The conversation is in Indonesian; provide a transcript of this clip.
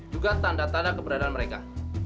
juga tanda tanda keberadaan mereka